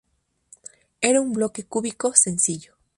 Era un bloque cúbico, sencillo.